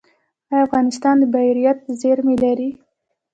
آیا افغانستان د بیرایت زیرمې لري؟